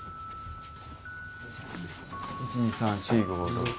１２３４５６。